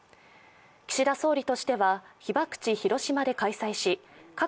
岸田総理としては被爆地・広島で開催し核